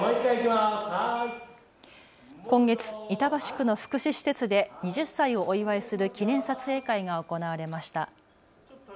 今月、板橋区の福祉施設で２０歳をお祝いする記念撮影会が行われました。